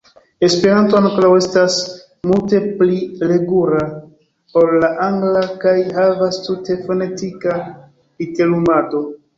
Esperanto ankaŭ estas multe pli regula ol la angla kaj havas tute fonetika literumado.